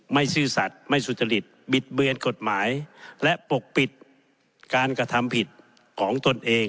ซื่อสัตว์ไม่สุจริตบิดเบือนกฎหมายและปกปิดการกระทำผิดของตนเอง